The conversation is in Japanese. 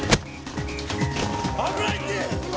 危ないって！